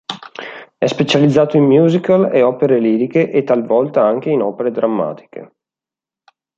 È specializzato in musical e opere liriche e talvolta anche in opere drammatiche.